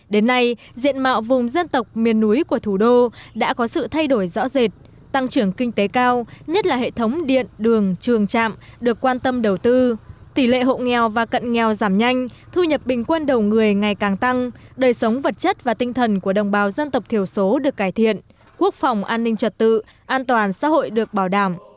đến nay diện mạo vùng dân tộc miền núi của thủ đô đã có sự thay đổi rõ rệt tăng trưởng kinh tế cao nhất là hệ thống điện đường trường trạm được quan tâm đầu tư tỷ lệ hộ nghèo và cận nghèo giảm nhanh thu nhập bình quân đầu người ngày càng tăng đời sống vật chất và tinh thần của đồng bào dân tộc thiểu số được cải thiện quốc phòng an ninh trật tự an toàn xã hội được bảo đảm